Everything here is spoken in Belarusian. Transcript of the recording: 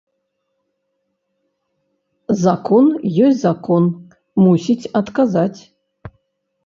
Закон ёсць закон, мусіць адказаць.